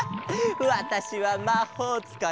わたしはまほうつかい。